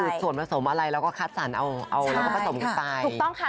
คือส่วนผสมอะไรเราก็คัดสรรเอาเอาแล้วก็ผสมกันไปถูกต้องค่ะ